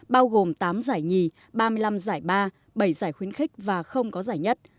bao gồm tám giải nhì ba mươi năm giải ba bảy giải khuyến khích và không có giải nhất